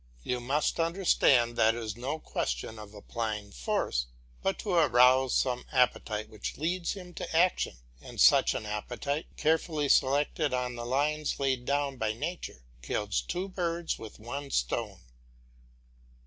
You must understand that is no question of applying force, but of arousing some appetite which leads to action, and such an appetite, carefully selected on the lines laid down by nature, kills two birds with one stone.